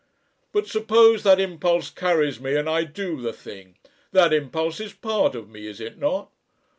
But suppose that impulse carries me and I do the thing that impulse is part of me, is it not?